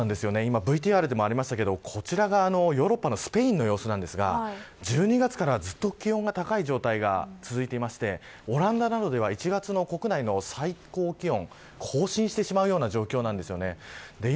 ＶＴＲでもありましたがこちらがヨーロッパのスペインの様子ですが１２月からずっと気温が高い状態が続いていてオランダなどでは１月の国内の最高気温を更新してしまうような状況です。